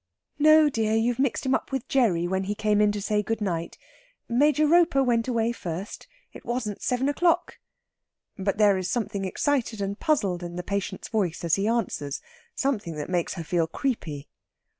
"No, dear; you've mixed him up with Gerry, when he came in to say good night. Major Roper went away first. It wasn't seven o'clock." But there is something excited and puzzled in the patient's voice as he answers something that makes her feel creepy.